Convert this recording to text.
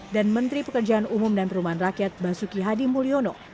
dan menteri pekerjaan umum dan perumahan rakyat basuki hadi mulyono